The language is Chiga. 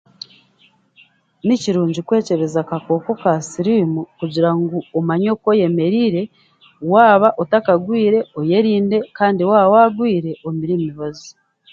Ni kirungi kwekyebeza akakooko ka siriimu, kugira ngu omanye oku oyemereire, waaba otakarwire oyerinde, kandi waaba waarwaire, omire imibazi.